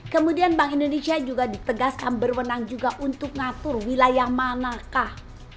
kemudian bank indonesia juga ditegaskan berwenang juga untuk ngatur wilayah manakah